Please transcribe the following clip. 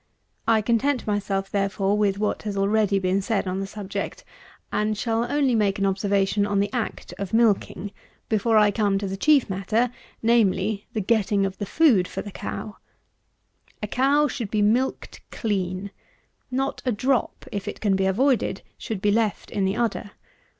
I content myself, therefore, with what has already been said on this subject; and shall only make an observation on the act of milking, before I come to the chief matter; namely, the getting of the food for the cow. A cow should be milked clean. Not a drop, if it can be avoided, should be left in the udder.